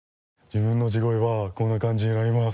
自分の地声はこんな感じになります。